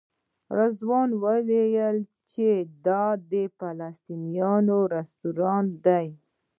رضوان وویل چې دا د فلسطینیانو رسټورانټ دی.